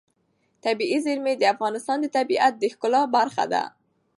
طبیعي زیرمې د افغانستان د طبیعت د ښکلا برخه ده.